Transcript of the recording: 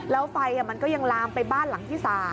แล้วไฟมันก็ยังลามไปบ้านหลังที่๓